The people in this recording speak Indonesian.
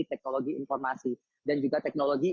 teknologi informasi dan juga teknologi